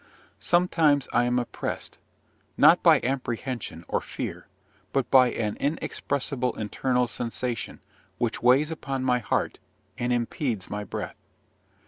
Sometimes I am oppressed, not by apprehension or fear, but by an inexpressible internal sensation, which weighs upon my heart, and impedes my breath!